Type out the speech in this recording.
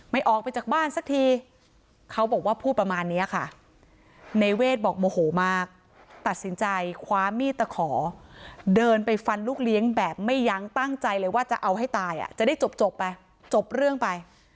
ออกไปจากบ้านสักทีเขาบอกว่าพูดประมาณนี้ค่ะในเวทบอกโมโหมากตัดสินใจคว้ามีดตะขอเดินไปฟันลูกเลี้ยงแบบไม่ยั้งตั้งใจเลยว่าจะเอาให้ตายอ่ะจะได้จบไปจบเรื่องไป